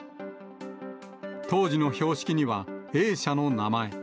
当時の標識には、Ａ社の名前。